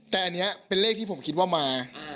แต่อันนี้เป็นเลขที่ผมคิดว่ามา